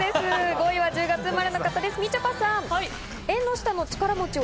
５位は１０月生まれの方です、みちょぱさん。